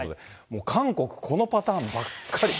もう韓国、このパターンばっかり。